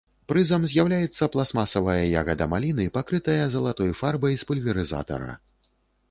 Прызам з'яўляецца пластмасавая ягада маліны, пакрытая залатой фарбай з пульверызатара.